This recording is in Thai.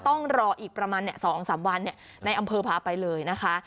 ต้องรออีกประมาณเนี้ยสองสามวันเนี้ยในอำเภอพาไปเลยนะคะ